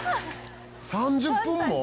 「３０分も？」